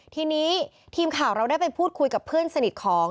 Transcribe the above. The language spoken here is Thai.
ทีนี้ทีมข่าวเราได้ไปพูดคุยกับเพื่อนสนิทของ